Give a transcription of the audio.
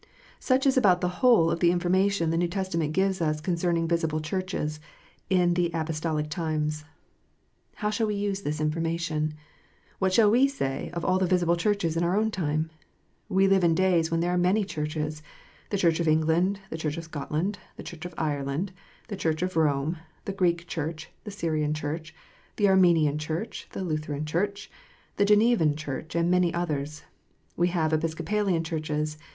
Such is about the whole of the information the New Testa ment gives us concerning visible Churches in the apostolic times. How shall we use this information ? What shall we say of all the visible Churches in our own time 1 We live in days when there are many Churches ; the Church of England, the Church of Scotland, the Church of Ireland, the Church of Rome, the Greek Church, the Syrian Church, the Armenian Church, the Lutheran Church, the Genevan Church, and many others. We have Episcopalian Churches.